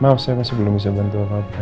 maaf saya masih belum bisa bantu apa